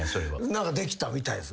何かできたみたいです。